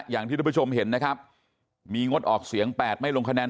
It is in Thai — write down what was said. อย่างที่ทุกผู้ชมเห็นนะครับมีงดออกเสียง๘ไม่ลงคะแนน